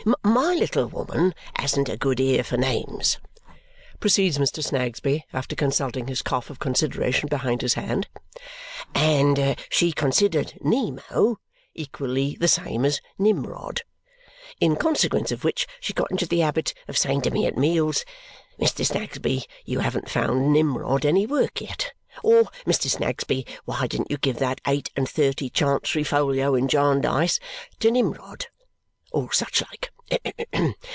My little woman hasn't a good ear for names," proceeds Mr. Snagsby after consulting his cough of consideration behind his hand, "and she considered Nemo equally the same as Nimrod. In consequence of which, she got into a habit of saying to me at meals, 'Mr. Snagsby, you haven't found Nimrod any work yet!' or 'Mr. Snagsby, why didn't you give that eight and thirty Chancery folio in Jarndyce to Nimrod?' or such like.